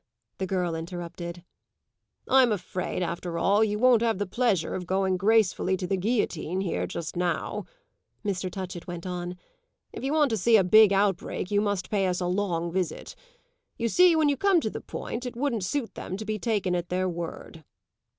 the girl interrupted. "I'm afraid, after all, you won't have the pleasure of going gracefully to the guillotine here just now," Mr. Touchett went on. "If you want to see a big outbreak you must pay us a long visit. You see, when you come to the point it wouldn't suit them to be taken at their word."